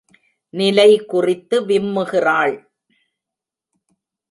நிலை குறித்து விம்முகிறாள்.